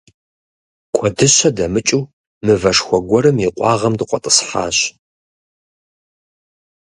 Куэдыщэ дымыкӀуу мывэшхуэ гуэрым и къуагъым дыкъуэтӀысхьащ.